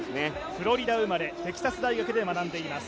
フロリダ生まれ、テキサス大学で学んでいます。